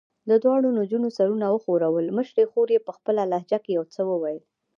دواړو نجونو سرونه وښورول، مشرې خور یې په خپله لهجه کې یو څه وویل.